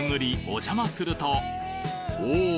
お邪魔するとおぉ！